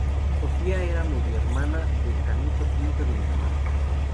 Sofía era medio hermana de Canuto V de Dinamarca.